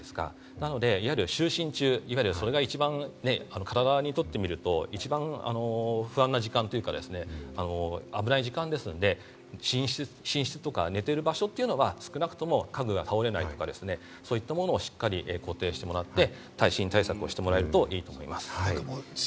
なので就寝中、それが一番不安な時間というか、危ない時間ですので、寝室とか寝ている場所というのは少なくとも家具が倒れないとか、そういったものをしっかり固定してもらって、耐震対策をしてもらえるといいと思います。